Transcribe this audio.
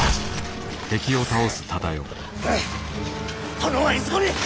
殿はいずこに！？